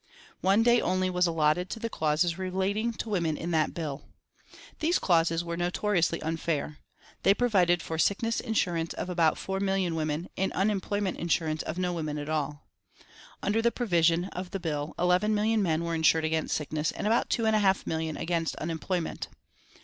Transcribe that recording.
One day only was allotted to the clauses relating to women in that bill. These clauses were notoriously unfair; they provided for sickness insurance of about four million women and unemployment insurance of no women at all. Under the provision of the bill eleven million men were ensured against sickness and about two and a half million against unemployment.